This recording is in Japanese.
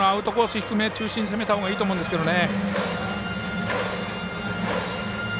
低め中心に攻めたほうがいいと思うんですけどね。